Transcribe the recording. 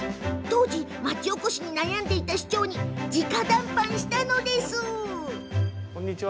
当時、町おこしに悩んでいた市長に、じか談判したんですって。